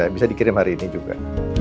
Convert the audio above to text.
bisa dikirim hari ini juga